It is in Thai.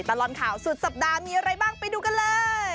ตลอดข่าวสุดสัปดาห์มีอะไรบ้างไปดูกันเลย